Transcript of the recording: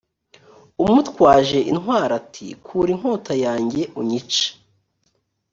umutwaje intwaro ati kura inkota yawe unyice